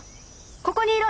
ここにいろ。